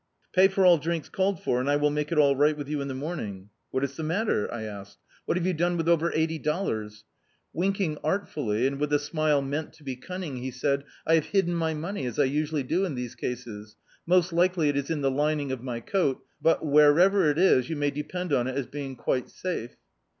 Pay for all drinks called for, and I will make it all right with you in the morning." "What is the matter?" D,i.,.db, Google Berry Picking I asked. "What have }rou done with over ci^ty dollars^" WinluDg artfully, and with a smite meant to he cunning, he said— "I have hidden mjr money, as I usually do in these cases. Most likely it is in the lining of my coat; but, wherever it is, you may depend (m it as being quite safe."